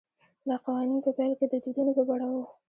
دا قوانین په پیل کې د دودونو په بڼه وو